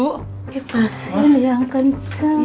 kipasin yang kenceng